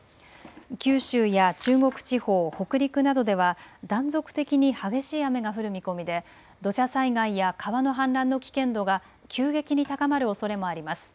九州や中国地方、北陸などでは断続的に激しい雨が降る見込みで土砂災害や川の氾濫の危険度が急激に高まるおそれもあります。